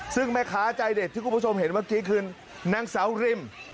ซึ่งแม่ค้าใจเด็ดที่คุณผู้ชมเห็นเมื่อกี้คือนางสาวริม